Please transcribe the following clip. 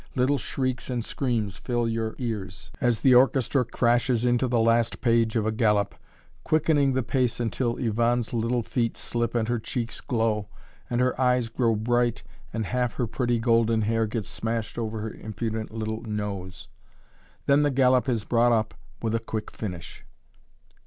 Little shrieks and screams fill your ears, as the orchestra crashes into the last page of a galop, quickening the pace until Yvonne's little feet slip and her cheeks glow, and her eyes grow bright, and half her pretty golden hair gets smashed over her impudent little nose. Then the galop is brought up with a quick finish.